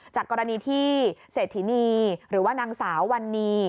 จากกรณีที่เศรษฐินีหรือว่านางสาววันนี้